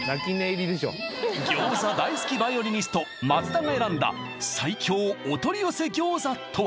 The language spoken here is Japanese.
餃子大好きヴァイオリニスト松田が選んだ最強お取り寄せ餃子とは？